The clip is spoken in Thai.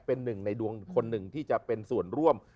เป็นหนึ่งในดวงคนหนึ่งที่จะเป็นส่วนร่วม